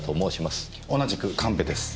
同じく神戸です。